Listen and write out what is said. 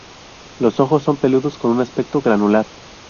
Los ojos son peludos con un aspecto granular.